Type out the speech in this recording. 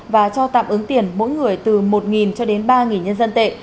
và cho tạm ứng tiền mỗi người từ một cho đến ba nhân dân tệ